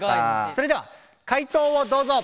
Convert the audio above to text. それでは回答をどうぞ！